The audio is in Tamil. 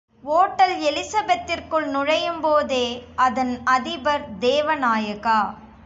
ஒட்டல் எலிசபெத்திற்குள் நுழையும்போதே அதன் அதிபர் தேவநாயகா.